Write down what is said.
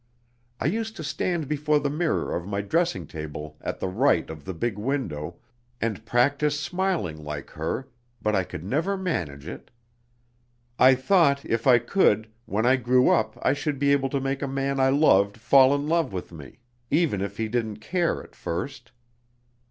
I used to stand before the mirror of my dressing table at the right of the big window, and practise smiling like her, but I could never manage it. I thought, if I could, when I grew up I should be able to make a man I loved fall in love with me, even if he didn't care at first.